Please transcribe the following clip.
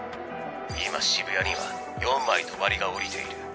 今渋谷には４枚帳が下りている。